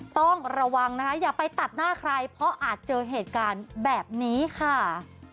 ต้องระวังนะคะอย่าไปตัดหน้าใครเพราะอาจเจอเหตุการณ์แบบนี้ค่ะ